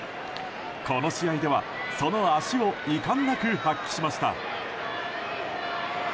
この試合では、その足をいかんなく発揮しました。